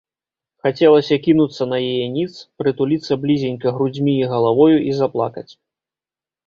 Хацелася кінуцца на яе ніц, прытуліцца блізенька грудзьмі і галавою і заплакаць.